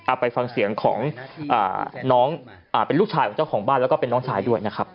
ไปฟังเสียงของน้องอ่าเป็นลูกชายของเจ้าของบ้านแล้วก็เป็นน้องชายด้วยนะครับ